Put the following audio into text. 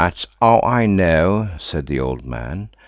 "That's how I know," said the old man.